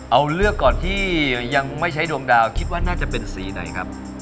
เอาเลือกก่อนที่ยังไม่ใช้ดวงดาวคิดว่าน่าจะเป็นสีไหนครับ